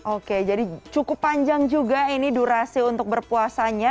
oke jadi cukup panjang juga ini durasi untuk berpuasanya